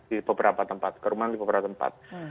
di beberapa tempat kerumunan di beberapa tempat